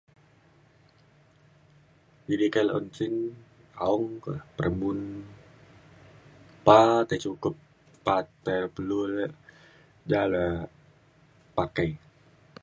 idi kak launching aong ke perembun pa tei cukup pat pe perlu re ja le pakai